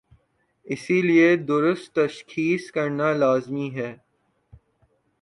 اس لئے درست تشخیص کرنالازمی ہے۔